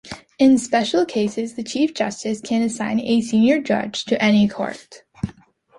In special cases, the Chief Justice can assign a senior judge to any court.